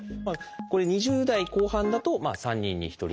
これ２０代後半だと３人に１人。